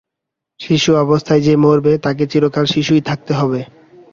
শিশু অবস্থায় যে মরবে, তাকে চিরদিন শিশুই থাকতে হবে।